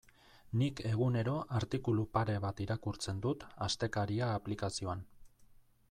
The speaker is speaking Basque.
Nik egunero artikulu pare bat irakurtzen dut Astekaria aplikazioan.